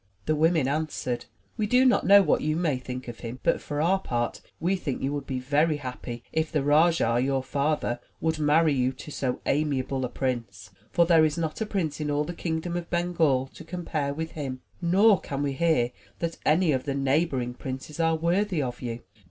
The women answered: "We do not know what you may think of him, but, for our part, we think you would be very happy if the rajah, your father, would marry you to so amiable a prince, for there is not a prince in all the kingdom of Bengal to compare with him, nor can we hear that any of the neighbor ing princes are worthy of you."